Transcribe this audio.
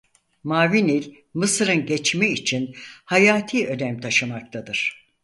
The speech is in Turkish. Mavi Nil Mısır'ın geçimi için hayati önem taşımaktadır.